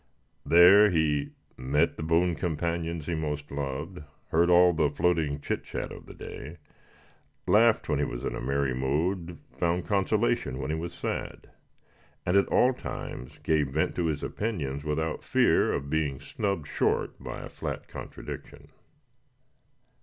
There he met the boon companions he most loved; heard all the floating chit chat of the day; laughed when he was in a merry mood; found consolation when he was sad; and at all times gave vent to his opinions without fear of being snubbed short by a flat contradiction.